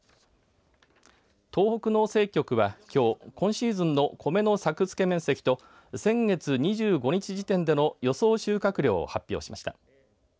東北農政局はきょう今シーズンのコメの作付面積と先月２５日時点での予想収穫量を発表しました。